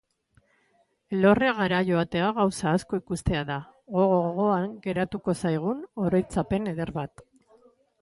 Elorriagara joatea gauza asko ikustea da, gogo-gogoan geratuko zaigun oroitzapen eder bat.